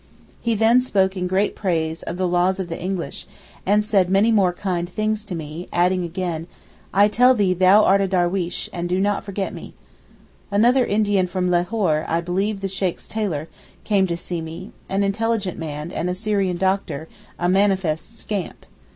He then spoke in great praise of the 'laws of the English,' and said many more kind things to me, adding again, 'I tell thee thou art a Darweesh, and do not thou forget me.' Another Indian from Lahore, I believe the Sheykh's tailor, came to see me—an intelligent man, and a Syrian doctor; a manifest scamp.